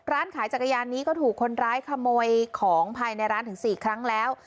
ร้านขายจักรยานนี้ก็ถูกคนร้ายขโมยของภายในร้านถึง๔ครั้งแล้ว